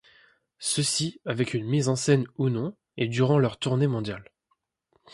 Ceci, avec une mise en scène ou non, et durant leurs tournées mondiales.